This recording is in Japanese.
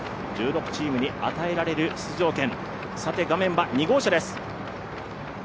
１６チームに与えられる出場権、画面は２号車です。